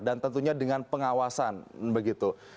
dan tentunya dengan pengawasan begitu